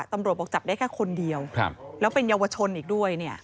ตำรวจบอกจับได้แค่คนเดียวแล้วเป็นเยาวชนอีกด้วยเนี่ย